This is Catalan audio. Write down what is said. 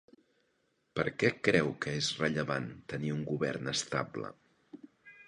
Per què creu que és rellevant tenir un govern estable?